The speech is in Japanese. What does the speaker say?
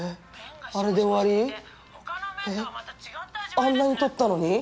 あんなに撮ったのに？